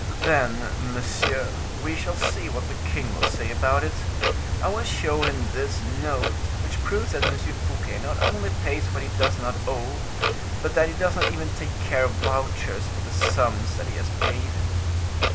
"Then, monsieur, we shall see what the king will say about it. I will show him this note, which proves that M. Fouquet not only pays what he does not owe, but that he does not even take care of vouchers for the sums that he has paid."